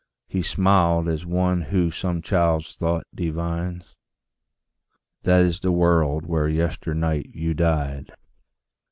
He smiled as one who some child's thought divines: "That is the world where yesternight you died."